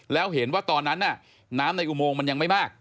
แล้วเห็นว่าตอนนั้นน้ำในอุโมงมันยังไม่มาก